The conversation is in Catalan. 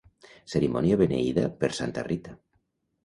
Cerimònia beneïda per santa Rita.